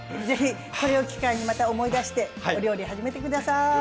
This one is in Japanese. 是非これを機会にまた思い出してお料理始めて下さい。